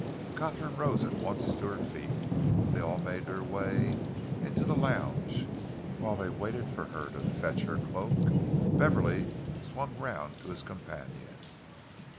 Katharine rose at once to her feet. They all made their way into the lounge. Whilst they waited for her to fetch her cloak, Beverley swung round to his companion.